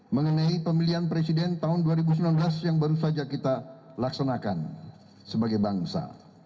mengenai pemilihan presiden tahun dua ribu sembilan belas yang baru saja kita laksanakan sebagai bangsa